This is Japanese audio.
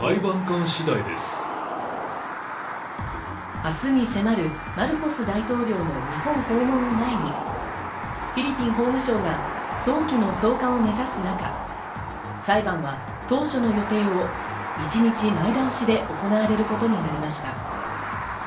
明日に迫るマルコス大統領の日本訪問を前に、フィリピン法務省が早期の送還を目指す中、裁判は当初の予定を１日前倒しで行われることになりました。